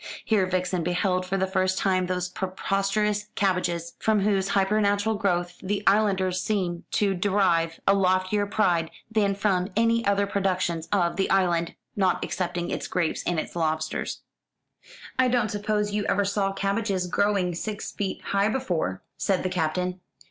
Here Vixen beheld for the first time those preposterous cabbages from whose hyper natural growth the islanders seem to derive a loftier pride than from any other productions of the island, not excepting its grapes and its lobsters. "I don't suppose you ever saw cabbages growing six feet high before," said the Captain.